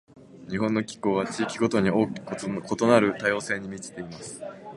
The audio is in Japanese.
日本の気候は、地域ごとに大きく異なる多様性に満ちています。